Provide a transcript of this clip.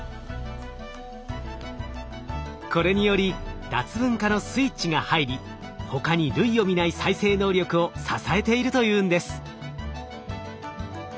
これにより脱分化のスイッチが入り他に類を見ない再生能力を支えているというんです。